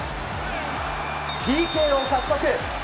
ＰＫを獲得。